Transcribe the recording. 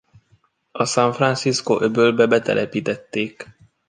A San Francisco-öbölbe betelepítették.